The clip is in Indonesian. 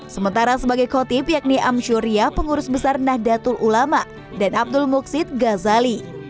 sementara sebagai kotip yakni amsyuriah pengurus besar nahdlatul ulama dan abdul muksid ghazali